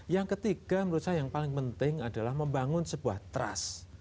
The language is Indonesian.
yang ketiga menurut saya yang paling penting adalah membangun sebuah trust